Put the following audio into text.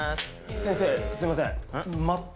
先生すいません。